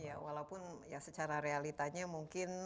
ya walaupun ya secara realitanya mungkin